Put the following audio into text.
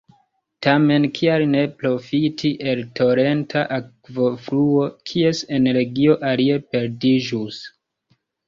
Tamen kial ne profiti el torenta akvofluo kies energio alie perdiĝus?